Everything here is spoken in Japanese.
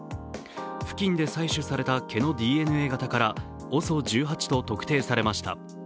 付近で採取された毛のＤＮＡ型からＯＳＯ１８と特定されました。